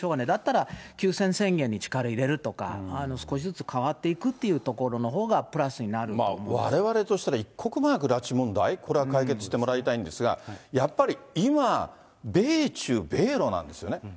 だったら、休戦宣言に力入れるとか、少しずつ変わっていくっていうところのほうがプラスになるとわれわれとしたら一刻も早く拉致問題、これは解決してもらいたいんですが、やっぱり今、米中、米ロなんですよね。